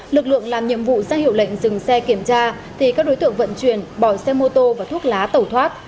lực lượng làm nhiệm vụ ra hiệu lệnh dừng xe kiểm tra thì các đối tượng vận chuyển bỏ xe mô tô và thuốc lá tẩu thoát